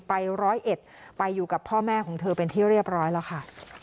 ไปร้อยเอ็ดไปอยู่กับพ่อแม่ของเธอเป็นที่เรียบร้อยแล้วค่ะ